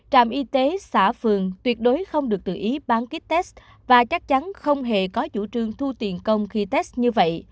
trạm y tế xã phường tuyệt đối không được tự ý bán kit test và chắc chắn không hề có chủ trương thu tiền công khi test như vậy